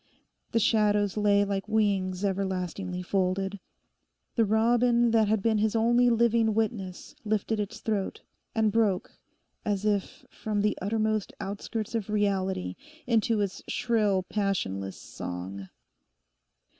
The shadows lay like wings everlastingly folded. The robin that had been his only living witness lifted its throat, and broke, as if from the uttermost outskirts of reality, into its shrill, passionless song.